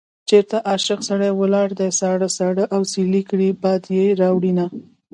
چېرته عاشق سړی ولاړ دی ساړه ساړه اسويلي کړي باد يې راوړينه